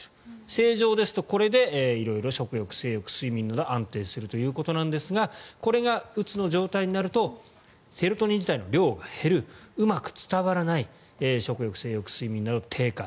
正常ですとこれで色々食欲、性欲、睡眠など安定するということなんですがこれがうつの状態になるとセロトニン自体の量が減るうまく伝わらない食欲、性欲、睡眠などが低下。